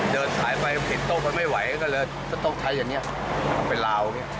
เดินสายไปเห็นโต๊ะไม่ไหวก็เลยต้องใช้อย่างนี้เอาไปลาว